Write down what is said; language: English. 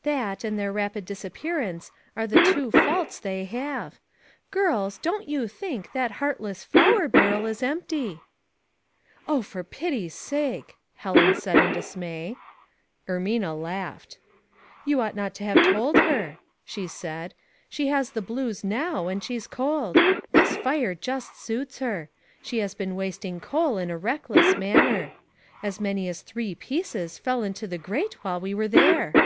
*' That and their rapid disappearance are the *^^o faults they have. Girls, don't you think that heartless flour barrel is empty !"'* Oh, for pity's sake!" Helen said, in dismay. Ermina laughed. You ou;:ht not to have told her," she said. " She has the blues now, and she's cold. This fire just suits her. She has been wasting coal in a reckless manner. As many as three pieces fell into the grate while we were there."